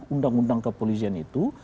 undang undang kepolisian itu